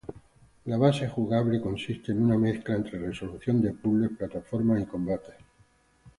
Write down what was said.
La base jugable consiste en una mezcla entre resolución de puzles, plataformas y combates.